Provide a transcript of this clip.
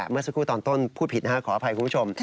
เมื่อสักครู่ตอนต้นพูดผิดขออภัยคุณผู้ชม